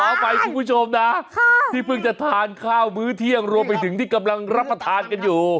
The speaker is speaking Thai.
อภัยคุณผู้ชมนะที่เพิ่งจะทานข้าวมื้อเที่ยงรวมไปถึงที่กำลังรับประทานกันอยู่